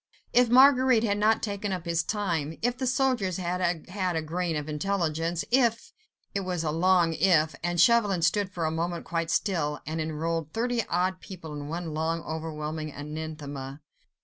If Marguerite had not taken up his time, if the soldiers had had a grain of intelligence, if ... it was a long "if," and Chauvelin stood for a moment quite still, and enrolled thirty odd people in one long, overwhelming anathema.